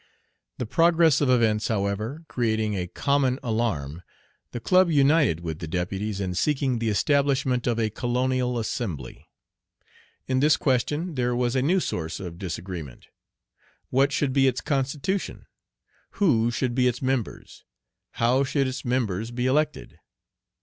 The progress of events, however, creating a common alarm, the club united with the deputies in seeking the establishment of a Colonial Assembly. In this question, there was a new source of disagreement. What should be its constitution? Who should be its members? How should its members be elected?